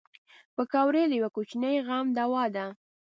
پکورې د یوه کوچني غم دوا ده